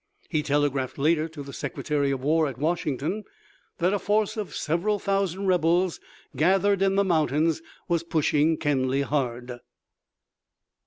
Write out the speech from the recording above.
He telegraphed later to the Secretary of War at Washington that a force of several thousand rebels gathered in the mountains was pushing Kenly hard.